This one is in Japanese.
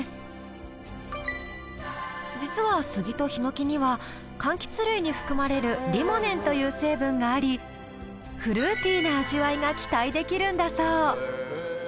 実はスギとヒノキには柑橘類に含まれるリモネンという成分がありフルーティーな味わいが期待できるんだそう。